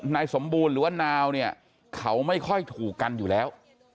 นายสมบูรณ์หรือว่านาวเนี่ยเขาไม่ค่อยถูกกันอยู่แล้ว